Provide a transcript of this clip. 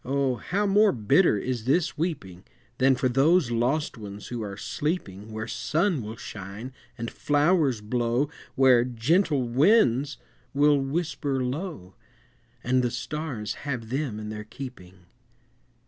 how more bitter is this weeping, Than for those lost ones who are sleeping Where sun will shine and flowers blow, Where gentle winds will whisper low, And the stars have them in their keeping!